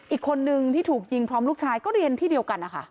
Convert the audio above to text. อีกคนนึงที่ถูกยิงพร้อมลูกชายก็เรียนที่เดียวกันนะคะ